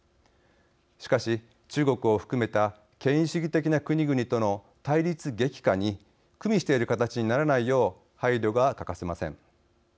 しかし、中国を含めた権威主義的な国々との対立激化にくみしている形にならないよう配慮が欠かせません。